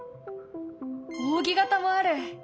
扇形もある！